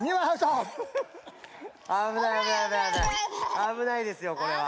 あぶないですよこれは。